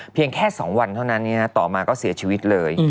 เพียงแค่๒วันเท่านั้นต่อมาก็เสียชีวิตเลย